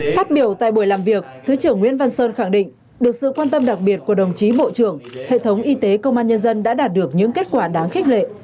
phát biểu tại buổi làm việc thứ trưởng nguyễn văn sơn khẳng định được sự quan tâm đặc biệt của đồng chí bộ trưởng hệ thống y tế công an nhân dân đã đạt được những kết quả đáng khích lệ